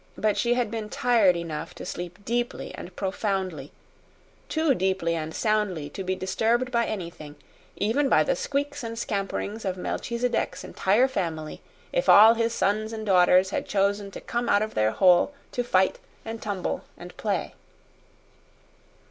But she had been tired enough to sleep deeply and profoundly too deeply and soundly to be disturbed by anything, even by the squeaks and scamperings of Melchisedec's entire family, if all his sons and daughters had chosen to come out of their hole to fight and tumble and play.